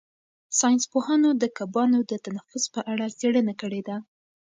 ساینس پوهانو د کبانو د تنفس په اړه څېړنه کړې ده.